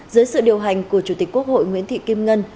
dưới sự điều hành của chủ tịch quốc hội nguyễn thị kim ngân